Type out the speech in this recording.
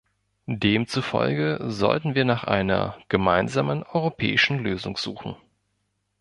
Demzufolge sollten wir nach einer gemeinsamen europäischen Lösung suchen.